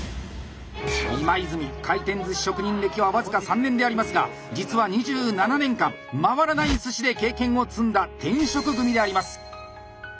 今泉回転寿司職人歴は僅か３年でありますが実は２７年間「回らない寿司」で経験を積んだ転職組であります。